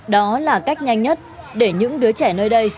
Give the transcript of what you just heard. đó là cách nhanh nhất để những đứa trẻ nơi đây